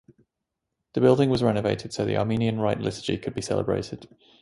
The building was renovated so the Armenian rite liturgy could be celebrated.